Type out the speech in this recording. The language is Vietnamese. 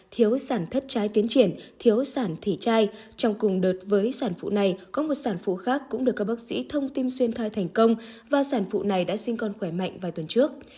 thiếu sản thất trái tiến triển thiếu sản thể chai trong cùng đợt với sản phụ này có một sản phụ khác cũng được các bác sĩ thông tin xuyên thai thành công và sản phụ này đã sinh con khỏe mạnh vài tuần trước